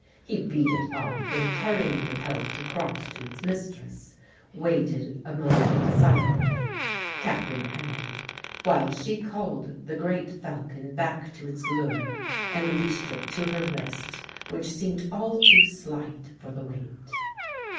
He beat it off, and carrying the pelt across to its mistress, waited a moment silently, cap in hand, while she called the great falcon back to its lure and leashed it to her wrist, which seemed all too slight for the weight.